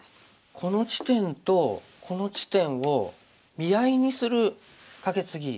この地点とこの地点を見合いにするカケツギ。